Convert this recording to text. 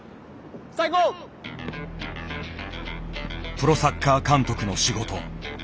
プロサッカー監督の仕事。